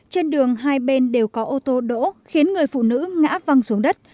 trên đường hai bên đều có ô tô đỗ khiến người phụ nữ ngã văng xuống đất